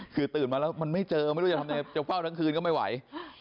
คือตื่นมาแล้วมันไม่เจอไม่รู้จะทำยังไงจะเฝ้าทั้งคืนก็ไม่ไหว